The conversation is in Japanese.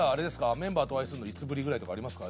メンバーとお会いするのいつぶりぐらいとかありますか？